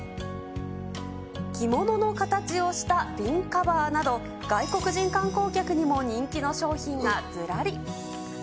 着物の形をした瓶カバーなど、外国人観光客にも人気の商品がずらり。